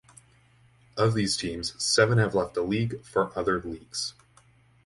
Of these teams, seven have left the league for other leagues.